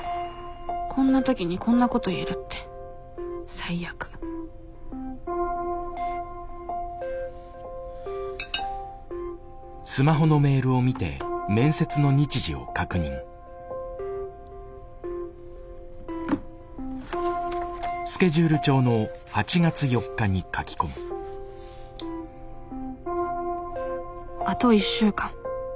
こんな時にこんなこと言えるって最悪あと１週間。